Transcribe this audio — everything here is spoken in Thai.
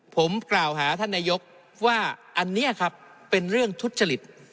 ผมกล่าวหาท่านนายกว่าอันนี้ครับเป็นเรื่องทุจริต